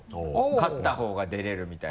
勝ったほうが出れるみたいな。